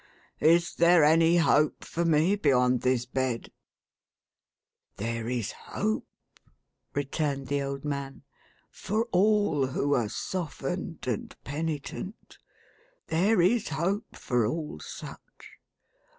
Is there any hope for me beyond this bed ?" "There is hope," returned the old man, "for all who are softened and penitent. There is hope for all such.